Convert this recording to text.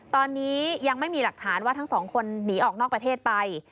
ตอนนี้ยังไม่มีหลักฐานว่าทั้งสองคนหนีออกนอกประเทศไป